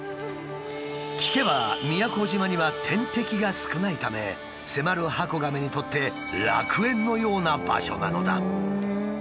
聞けば宮古島には天敵が少ないためセマルハコガメにとって楽園のような場所なのだ。